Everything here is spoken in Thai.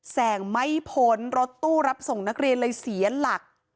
แสงไม่พ้นรถตู้รับส่งนักเรียนเลยเสียหลัก